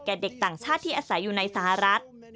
เด็กต่างชาติที่อาศัยอยู่ในสหรัฐ